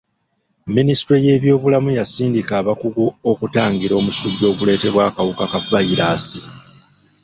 Minisitule y'ebyobulamu yasindika abakugu okutangira omusujja oguleetebwa akawuka ka vayirasi.